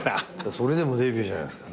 それでもデビューじゃないですか。